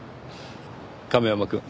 亀山くん。